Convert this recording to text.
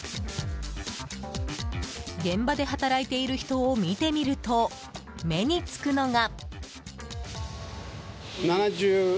現場で働いている人を見てみると目につくのが。